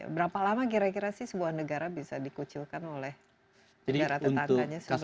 berapa lama kira kira sih sebuah negara bisa dikucilkan oleh negara tetangganya sendiri